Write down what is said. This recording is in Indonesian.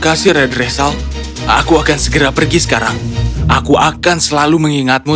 aku khawatir tentang kau terima kasih redressal aku akan segera pergi sekarang aku akan selalu mengingatmu